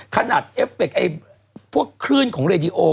เอฟเฟคพวกคลื่นของเรดิโอ